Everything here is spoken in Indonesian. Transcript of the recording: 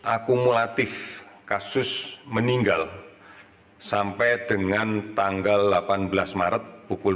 akumulatif kasus meninggal sampai dengan tanggal delapan belas maret pukul dua belas